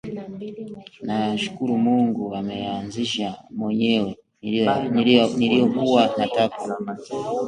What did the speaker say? Nashukuru Mungu ameyaanzisha mwenyewe niliyokuwa nataka